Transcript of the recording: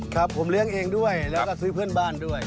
ครับผมเลี้ยงเองด้วยแล้วก็ซื้อเพื่อนบ้านด้วย